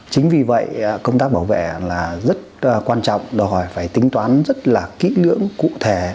chính vì vậy công tác bảo vệ rất quan trọng đòi phải tính toán rất kỹ lưỡng cụ thể